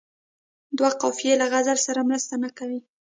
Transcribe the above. دوه قافیې له غزل سره مرسته نه کوي.